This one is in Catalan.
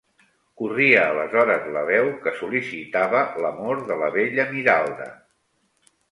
Corria aleshores la veu que sol·licitava l’amor de la bella Miralda.